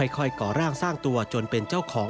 ก่อร่างสร้างตัวจนเป็นเจ้าของ